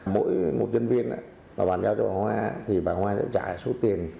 mỗi một nhân viên tòa bán giao cho bà hoa thì bà hoa sẽ trả số tiền là từ một mươi bảy cho đến hai mươi năm triệu